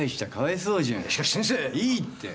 いいって。